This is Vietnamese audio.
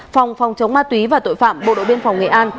phòng phòng chống ma túy và tội phạm bộ đội biên phòng nghệ an